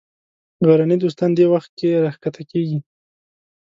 غرني دوستان دې وخت کې راکښته کېږي.